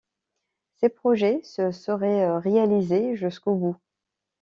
Ses projets se seraient réalisés jusqu’au bout.